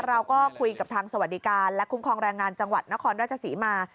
เราก็คุยกับทางสวัสดิการและคุ้มครองแรงงานจังหวัดนครราชศรีมา